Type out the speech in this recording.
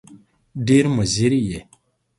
ډېر مضر یې !